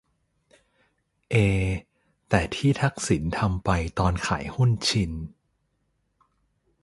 เอ แต่ที่ทักษิณทำไปตอนขายหุ้นชิน